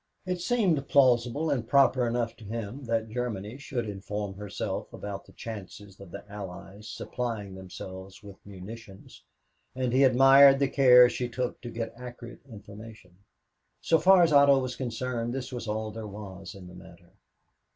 It seemed plausible and proper enough to him that Germany should inform herself about the chances of the Allies supplying themselves with munitions, and he admired the care she took to get accurate information. So far as Otto was concerned, this was all there was in the matter.